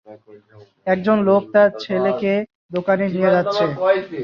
একজন লোক তার ছেলেকে দোকানে নিয়ে যাচ্ছে